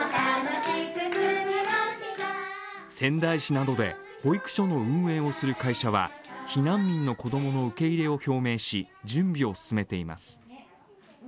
仙台市などで保育所の運営をする会社は避難民の子供の受け入れを表明し準備を進めています。